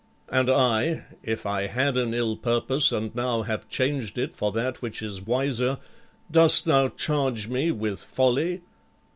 And I, if I had an ill purpose and now have changed it for that which is wiser, dost thou charge me with folly?